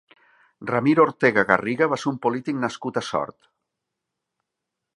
Ramir Ortega Garriga va ser un polític nascut a Sort.